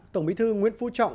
tổng bí thư nguyễn phú trọng